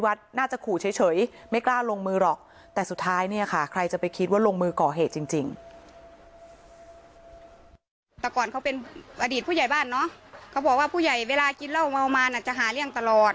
ผู้ใหญ่บ้านเนาะเค้าบอกว่าผู้ใหญ่เวลากินเหล้าเมามานจะหาเลี่ยงตลอด